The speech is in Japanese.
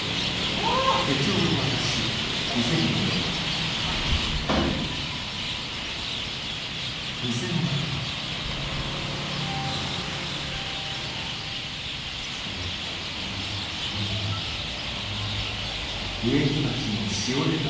ほんっとに僕には無理なんだよなあ。